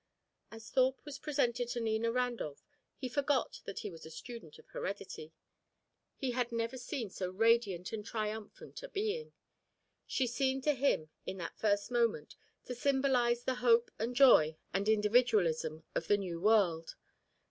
As Thorpe was presented to Nina Randolph he forgot that he was a student of heredity. He had never seen so radiant and triumphant a being. She seemed to him, in that first moment, to symbolize the hope and joy and individualism of the New World.